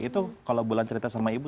itu kalau bulan cerita sama ibu